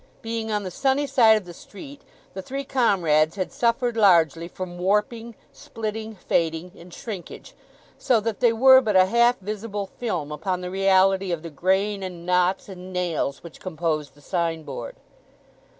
Being on the sunny side of the street the three comrades had suffered largely from warping, splitting, fading, and shrinkage, so that they were but a half invisible film upon the reality of the grain, and knots, and nails, which composed the signboard.